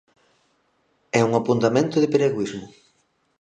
E un apuntamento de piragüismo.